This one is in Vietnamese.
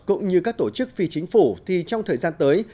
cũng như các tổ chức phi chính phủ thì trong thời gian tới